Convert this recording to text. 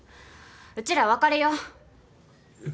うちら別れよう。